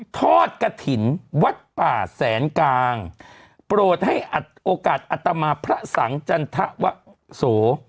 ทอดกระถิ่นวัดป่าแสนกลางโปรดให้อัดโอกาสอัตมาพระสังจันทวะโส